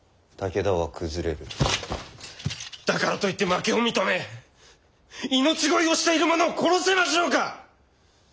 だからといって負けを認め命乞いをしている者を殺せましょうか！